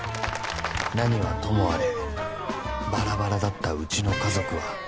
［何はともあればらばらだったうちの家族は］